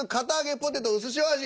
ポテトうすしお味」。